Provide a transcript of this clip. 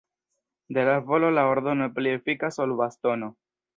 De la volo la ordono pli efikas ol bastono.